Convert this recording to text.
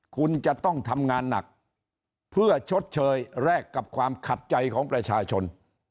คุณจะต้องทำงานหนักเพื่อชดเชยแลกกับความขัดใจของประชาชน